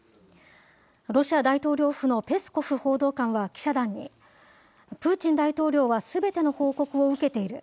ロシア大統領府のペスコフ報道官は、記者団に、プーチン大統領はすべての報告を受けている。